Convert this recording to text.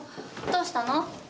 どうしたの？